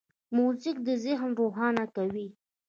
موزیک ذهن روښانه کوي.